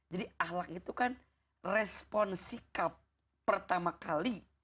jadi ahlak itu kan respon sikap pertama kali